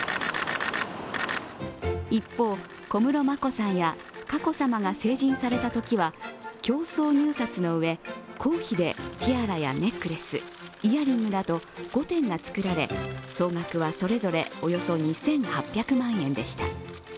一方、小室眞子さんや佳子さまが成人されたときは競争入札の上、公費でティアラやネックレス、イヤリングなど５点が作られ、総額はそれぞれおよそ２８００万円でした。